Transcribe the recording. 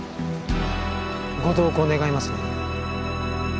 ご同行願えますね？